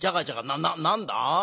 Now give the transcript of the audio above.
なな何だ？